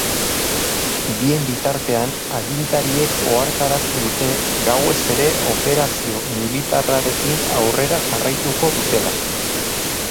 Bien bitartean, agintariek ohartarazi dute gauez ere operazio militarrarekin aurrera jarraituko dutela.